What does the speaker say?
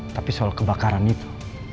tapi soal kebakaran itu